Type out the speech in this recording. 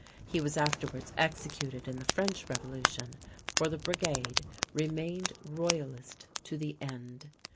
He was afterwards executed in the French Revolution, for the "Brigade" remained royalist to the end.